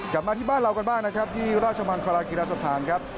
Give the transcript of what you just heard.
กลับมาที่บ้านเราก่อนบ้างนะครับที่ราชบันภรรกิรสะพานครับ